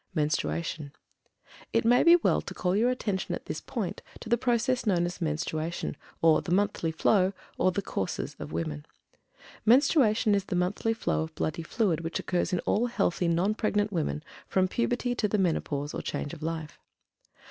MENSTRUATION. It may be well to call your attention at this point to the process known as Menstruation, or "the monthly flow," or "the courses" of women. Menstruation is the monthly flow of bloody fluid which occurs in all healthy (non pregnant) women from puberty to the menopause or "change of life."